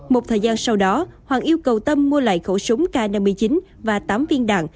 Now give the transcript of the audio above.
một thời gian sau đó hoàng yêu cầu tâm mua lại khẩu súng k năm mươi chín và tám viên đạn